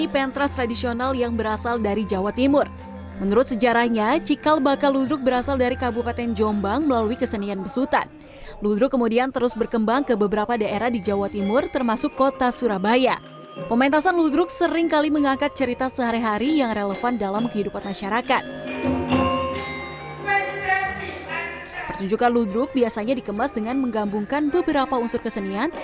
pertunjukan ludruk biasanya dikemas dengan menggambungkan beberapa unsur kesenian